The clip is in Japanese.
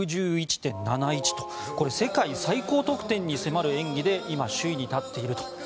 得点１１１．７１と世界最高得点に迫る演技で今、首位に立っています。